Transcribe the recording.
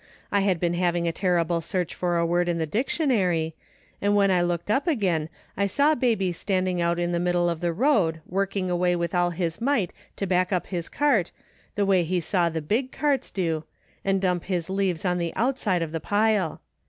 I had been having a terrible search for a word in the dictionary, and when I looked up again I saw baby standing out in the middle of the road working away with all his might to back up his cart, the way he saw the big carts do, and diunp his leaves on the outside of the pile.